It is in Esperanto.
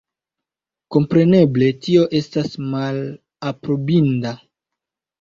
Kompreneble tio estas malaprobinda.